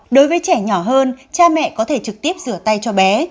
đối với trẻ nhỏ hơn cha mẹ có thể trực tiếp rửa tay cho bé